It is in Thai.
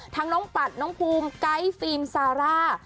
น้องปัดน้องภูมิไกด์ฟิล์มซาร่า